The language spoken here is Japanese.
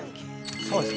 そうですね。